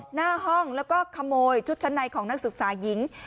หน้าห้องแล้วก็ขโมยชุดชั้นในของนักศึกษาหญิง